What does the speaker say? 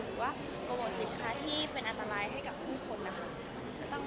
หรือว่าโปรโมทสินค้าที่เป็นอันตรายให้กับผู้คนนะคะ